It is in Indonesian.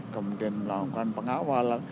kemudian melakukan pengawal